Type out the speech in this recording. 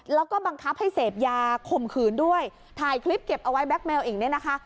แล้วก็บังคับให้เสพยาข่มขืนด้วยถ่ายคลิปเก็บเอาไว้แก๊กเมลอีกเนี่ยนะคะ